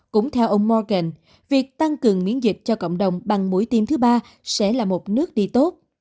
cũng theo ông morgan việc tăng cường miễn dịch cho cộng đồng bằng mũi tiêm thứ ba sẽ là một nước đi tốt